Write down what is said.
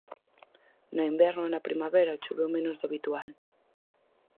No inverno e na primavera choveu menos do habitual.